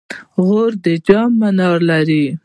غور د جام منار لري